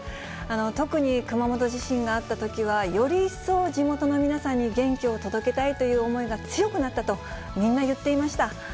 特に熊本地震があったときは、より一層、地元の皆さんに元気を届けたいという思いが強くなったと、みんな言っていました。